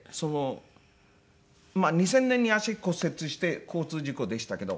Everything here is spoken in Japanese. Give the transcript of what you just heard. ２０００年に足骨折して交通事故でしたけど。